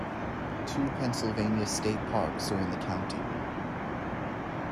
Two Pennsylvania state parks are in the county.